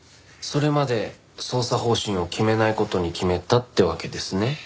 それまで捜査方針を決めない事に決めたってわけですね？